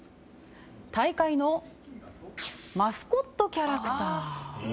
大会のマスコットキャラクター。